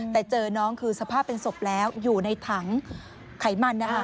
แต่เจอน้องคือสภาพเป็นศพแล้วอยู่ในถังไขมันนะคะ